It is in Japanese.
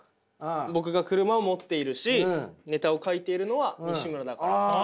僕が車を持っているしネタを書いているのはにしむらだから。